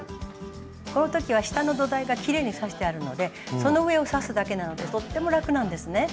この時は下の土台がきれいに刺してあるのでその上を刺すだけなのでとっても楽なんですね。